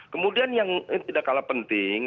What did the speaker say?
kemudian yang tidak kalah penting